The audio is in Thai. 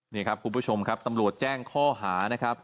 นี่ครับคุณผู้ชมครับตำรวจแจ้งข้อหานะครับ